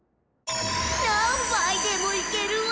何杯でもいけるわ！